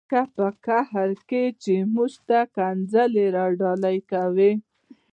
لکه په قهر کې چې موږ ته ښکنځلې را ډالۍ کوي.